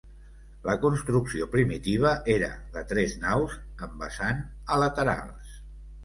La construcció primitiva era de tres naus amb vessant a laterals.